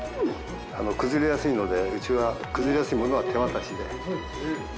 崩れやすいのでうちは崩れやすいものは手渡しで。